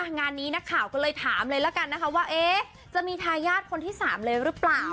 งานนี้นักข่าวก็เลยถามเลยละกันนะคะว่าจะมีทายาทคนที่๓เลยหรือเปล่า